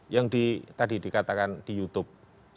yang tadi dikatakan di youtube